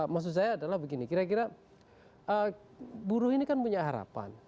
maksud saya adalah begini kira kira buruh ini kan punya harapan